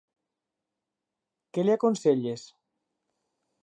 Què li aconselles?